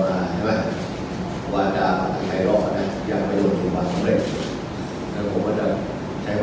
ใช้วาจารย์ไหลลองมาโครง